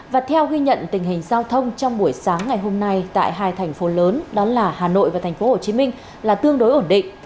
và theo ghi nhận tình hình giao thông trong buổi sáng ngày hôm nay tại hai thành phố lớn đó là hà nội và tp hcm là tương đối ổn định